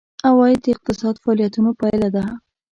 عواید د اقتصادي فعالیتونو پایله ده.